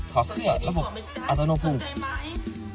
ขอเสื้อแล้วผมอัตโนภูมิ